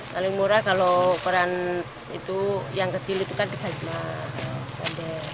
paling murah kalau ukuran itu yang kecil itu kan digajian